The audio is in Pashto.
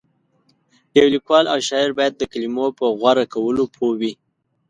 یو لیکوال او شاعر باید د کلمو په غوره کولو پوه وي.